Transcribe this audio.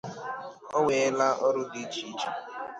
O nweela ọrụ dị iche iche.